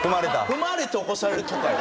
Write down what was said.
踏まれて起こされるとか。